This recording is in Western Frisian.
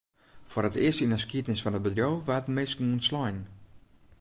Foar it earst yn 'e skiednis fan it bedriuw waarden minsken ûntslein.